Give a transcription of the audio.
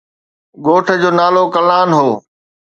ڳوٺ جو نالو ڪلان هو.